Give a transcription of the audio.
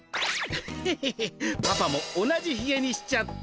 ヘヘヘッパパも同じひげにしちゃった。